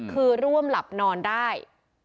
คือร่วมหลับนอนได้